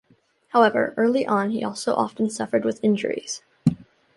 However, early on, he also often suffered with injuries.